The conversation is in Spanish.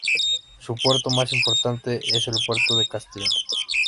Su puerto más importante es el Puerto de Castellón.